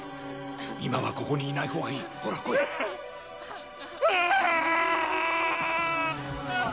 今はここにいない方がいいほら来いうわ！